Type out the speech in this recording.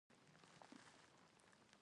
څوک د ډېرو سترو صفتونو او د ستاینې لایق دی.